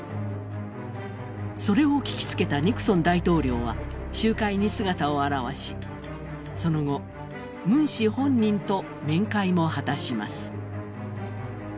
それを聞きつけたニクソン大統領は集会に姿を現し、その後、ムン氏本人と面会も果たします。